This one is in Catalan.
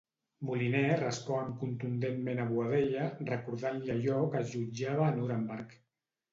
Moliner respon contundentment a Boadella, recordant-li allò que es jutjava a Nüremberg.